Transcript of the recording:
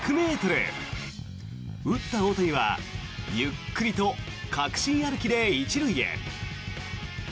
打った大谷はゆっくりと確信歩きで１塁へ。